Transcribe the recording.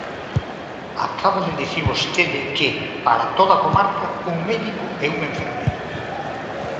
Acaba de dicir vostede que, para toda a comarca, un médico e unha enfermeira.